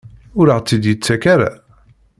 Ur aɣ-tt-id-yettak ara?